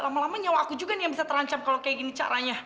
lama lama nyawa aku juga nih yang bisa terancam kalau kayak gini caranya